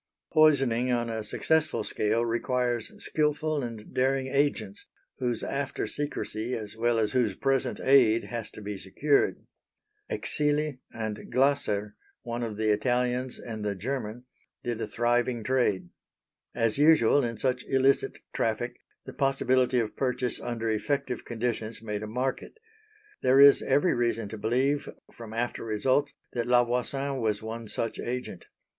Poisoning on a successful scale requires skilful and daring agents, whose after secrecy as well as whose present aid has to be secured. Exili and Glasser one of the Italians and the German did a thriving trade. As usual in such illicit traffic, the possibility of purchase under effective conditions made a market. There is every reason to believe from after results that La Voisin was one such agent.